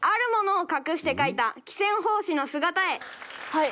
はい。